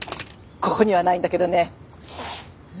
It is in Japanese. ここにはないんだけどね